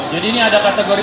jadi ini ada kategori